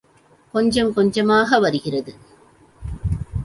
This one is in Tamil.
கொஞ்சம் கொஞ்சமாக வருகிறது.